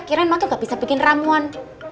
kirain mak tuh gak bisa bikin ramuan